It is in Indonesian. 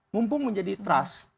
mumpung menjadi trust nya tinggi